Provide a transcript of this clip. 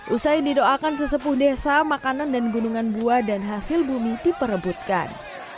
usai didoakan sesepuh desa makanan dan gunungan buah dan hasil bumi diperebutkan